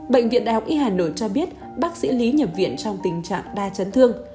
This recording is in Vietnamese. bệnh viện đại học y hà nội cho biết bác sĩ lý nhập viện trong tình trạng đa chấn thương